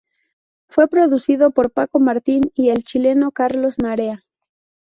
Fue producido por Paco Martín y el chileno Carlos Narea.